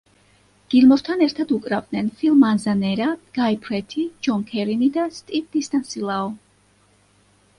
გილმორთან ერთად უკრავდნენ ფილ მანზანერა, გაი პრეტი, ჯონ კერინი და სტივ დისტანისლაო.